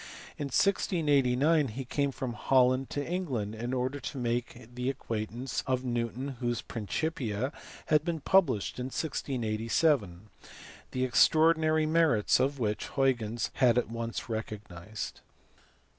In 1689 he came from Holland to England in order to make the acquaintance of Newton whose Principia had been published in 1687, the extraordinary merits of which Huygens had at once recognized.